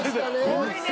怖いね。